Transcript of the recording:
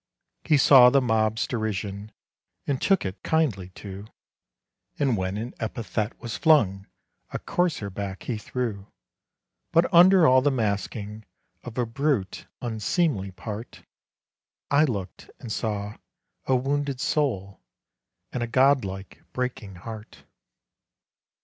He saw the mob's derision, And took it kindly, too, And when an epithet was flung, A coarser back he threw; But under all the masking Of a brute, unseemly part, I looked, and saw a wounded soul, And a god like, breaking heart.